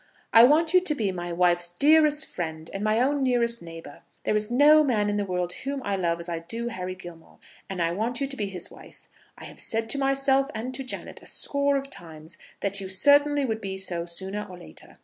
I want you to be my wife's dearest friend, and my own nearest neighbour. There is no man in the world whom I love as I do Harry Gilmore, and I want you to be his wife. I have said to myself and to Janet a score of times that you certainly would be so sooner or later.